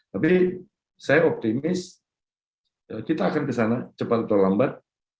tapi saya optimis kita akan kesana cepat atau lambat